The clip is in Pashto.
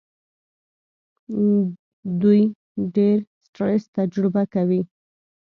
دوی ډېر سټرس تجربه کوي.